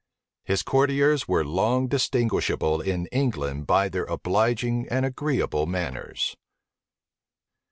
His courtiers were long distinguishable in England by their obliging and agreeable manners.